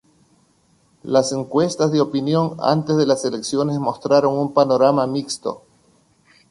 Las encuestas de opinión antes de las elecciones mostraron un panorama mixto.